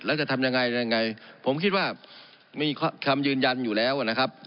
แล้วจะทำยังไงยังไงผมคิดว่ามีคำยืนยันอยู่แล้วนะครับ